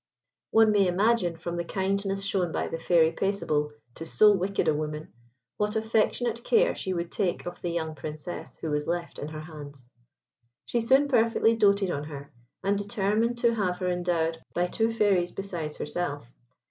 One may imagine, from the kindness shown by the Fairy Paisible to so wicked a woman, what affectionate care she would take of the young Princess who was left in her hands. She soon perfectly doated on her, and determined to have her endowed by two fairies besides herself.